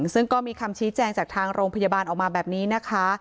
ซึ่งก็มีคำชี้แจงจากทางโรงพยาบาลออกมาแบบนี้นะคะ